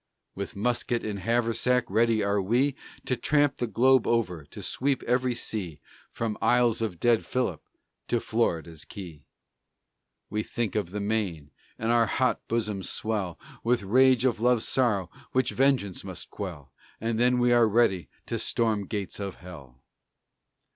With musket and haversack ready are we To tramp the globe over, to sweep every sea, From isles of dead Philip to Florida's Key. We think of the Maine and our hot bosoms swell With rage of love's sorrow, which vengeance must quell, And then we are ready to storm gates of Hell.